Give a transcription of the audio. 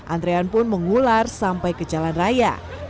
antrean pun mengular sampai ke jalan raya